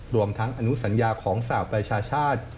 รวมทั้งอนุสัญญาของสหประชาชาติ